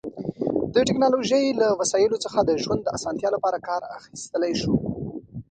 د ټیکنالوژی له وسایلو څخه د ژوند د اسانتیا لپاره کار اخیستلی شو